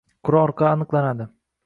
qur’a orqali aniqlanadi.